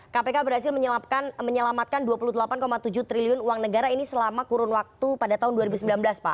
kpk berhasil menyelamatkan dua puluh delapan tujuh triliun uang negara ini selama kurun waktu pada tahun dua ribu sembilan belas pak